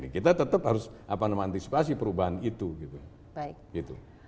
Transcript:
kita tetap harus mengantisipasi perubahan itu gitu